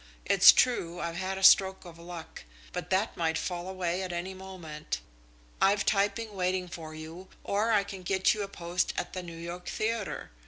It's true I've had a stroke of luck, but that might fall away at any moment. I've typing waiting for you, or I can get you a post at the New York Theatre.